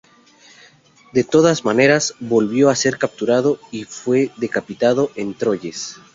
De todas maneras, volvió a ser capturado y fue decapitado en Troyes.